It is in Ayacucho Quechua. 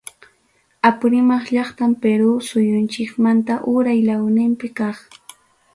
Apurímac llaqtam Perú suyunchikmanta uray lawninpi kaq.